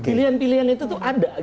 pilihan pilihan itu tuh ada